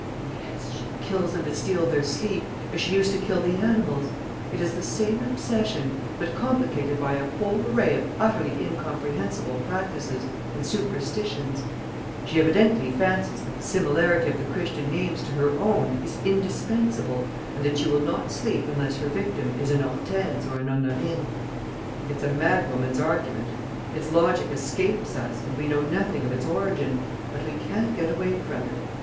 "Yes, she kills them to steal their sleep, as she used to kill the animals. It is the same obsession, but complicated by a whole array of utterly incomprehensible practices and superstitions. She evidently fancies that the similarity of the Christian names to her own is indispensable and that she will not sleep unless her victim is an Hortense or an Honorine. It's a madwoman's argument; its logic escapes us and we know nothing of its origin; but we can't get away from it.